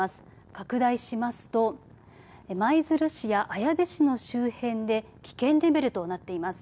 拡大しますと舞鶴市や綾部市の周辺で危険レベルとなっています。